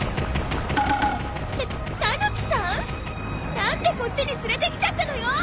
何でこっちに連れてきちゃったのよ！